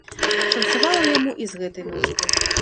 Шанцавала яму і з гэтай ночкай.